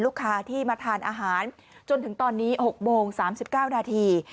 ลูกค้าที่มาทานอาหารจนถึงตอนนี้๖โมง๓๙นาที